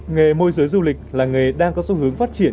nghề môi giới du lịch là nghề đang có xu hướng phát triển